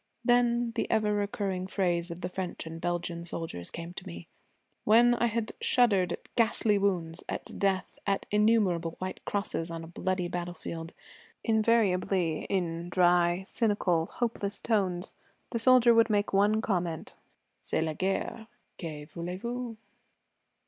Then the ever recurring phrase of the French and Belgian soldiers came to me. When I had shuddered at ghastly wounds, at death, at innumerable white crosses on a bloody battlefield, invariably, in dry, cynical, hopeless tones, the soldier would make one comment, 'C'est la guerre; que voulez vous?'